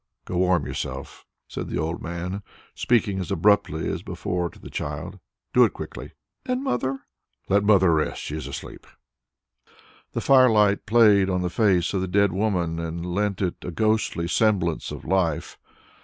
"Go and warm yourself," said the old man, speaking as abruptly as before to the child. "Do it quickly." "And mother?" "Let mother rest. She is asleep." The fire light played on the face of the dead woman and lent it a ghostly semblance of life.